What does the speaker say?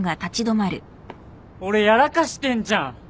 俺やらかしてんじゃん。